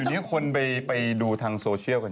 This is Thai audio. คืออยู่นี้คนไปดูทางโซเชียลกัน